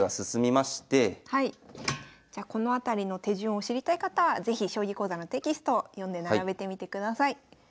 じゃこの辺りの手順を知りたい方は是非「将棋講座」のテキストを読んで並べてみてください。